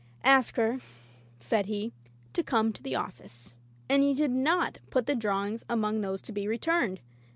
Holbrookes Patience "Ask her," said he, " to come to the office/' and he did not put the drawings among those to be returned.